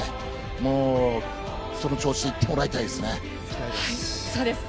もうその調子で行ってもらいたいですね。